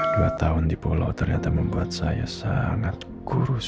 dua tahun di pulau ternyata membuat saya sangat kurus